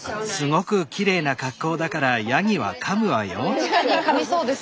これ確かにかみそうです。